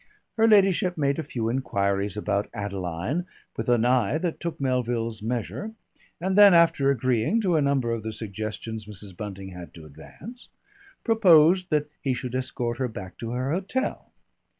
Her ladyship made a few enquiries about Adeline with an eye that took Melville's measure, and then, after agreeing to a number of the suggestions Mrs. Bunting had to advance, proposed that he should escort her back to her hotel.